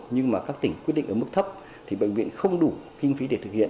nhưng mà các tỉnh quyết định ở mức thấp thì bệnh viện không đủ kinh phí để thực hiện